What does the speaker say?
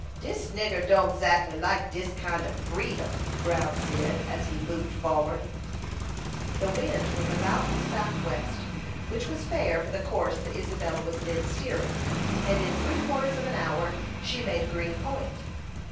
"Dis nigger don't zackly like dis kind ob freedom," growled Cyd, as he moved forward. The wind was about south west, which was fair for the course the Isabel was then steering, and in three quarters of an hour she made Green Point.